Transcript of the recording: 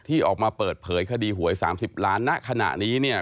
ออกมาเปิดเผยคดีหวย๓๐ล้านณขณะนี้เนี่ย